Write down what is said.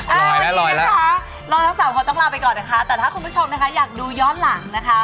อ่าวันนี้นะคะเราทั้งสามคนต้องลาไปก่อนนะคะแต่ถ้าคุณผู้ชมนะคะอยากดูย้อนหลังนะคะ